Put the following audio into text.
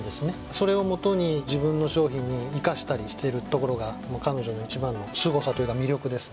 それをもとに自分の商品に生かしたりしているところが彼女の一番のすごさというか魅力ですね